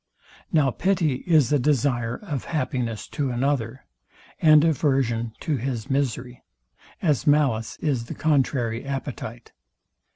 Now pity is a desire of happiness to another, and aversion to his misery; as malice is the contrary appetite.